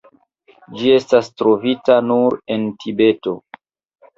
Ĝi estas trovita nur en Tibeto.